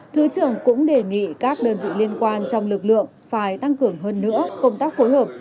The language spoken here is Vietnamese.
thứ trưởng cũng đề nghị các đơn vị liên quan trong lực lượng phải tăng cường hơn nữa công tác phối hợp